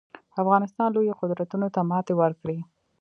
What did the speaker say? افغانستان لویو قدرتونو ته ماتې ورکړي